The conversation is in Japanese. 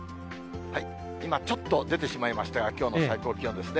今、ちょっと出てしまいましたが、きょうの最高気温ですね。